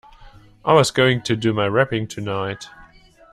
I was going to do my wrapping tonight.